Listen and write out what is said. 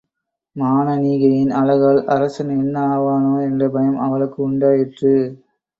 மானனீகையின் அழகால் அரசன் என்ன ஆவானோ? என்ற பயம் அவளுக்கு உண்டாயிற்று.